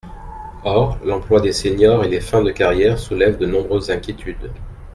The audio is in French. Or, l’emploi des seniors et les fins de carrière soulèvent de nombreuses inquiétudes.